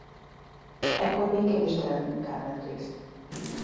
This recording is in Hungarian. Ekkor még kevés terepmunkán vett részt.